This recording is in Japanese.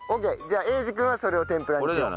じゃあ英二君はそれを天ぷらにしよう。